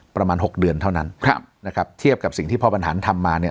ประมาณหกเดือนเท่านั้นครับนะครับเทียบกับสิ่งที่พ่อบรรหารทำมาเนี่ย